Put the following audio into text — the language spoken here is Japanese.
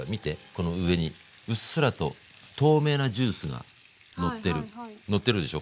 この上にうっすらと透明なジュースがのってるのってるでしょ